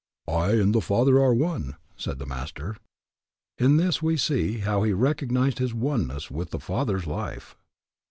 I and the Father are one, said the Master. In this we see how he recognized his oneness with the Father's life.